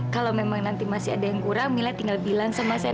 kalau memang nanti masih ada yang kurang mila tidak akan meminta maaf